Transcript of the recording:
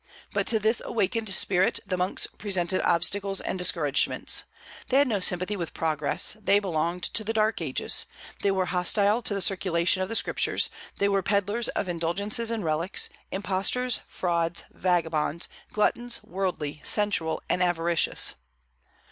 But to this awakened spirit the monks presented obstacles and discouragements. They had no sympathy with progress; they belonged to the Dark Ages; they were hostile to the circulation of the Scriptures; they were pedlers of indulgences and relics; impostors, frauds, vagabonds, gluttons, worldly, sensual, and avaricious.